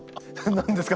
何ですか？